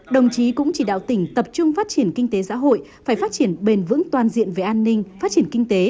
đồng chí cũng chỉ đạo tỉnh tập trung phát triển kinh tế xã hội phải phát triển bền vững toàn diện về an ninh phát triển kinh tế